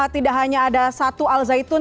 tidak hanya ada satu al zaitun